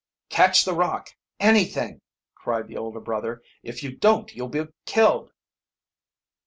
"Catch the rock anything!" cried the older brother. "If you don't you'll be killed!"